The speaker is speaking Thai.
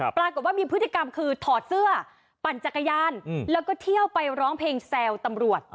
ปรากฏว่ามีพฤติกรรมคือถอดเสื้อปั่นจักรยานแล้วก็เที่ยวไปร้องเพลงแซวตำรวจ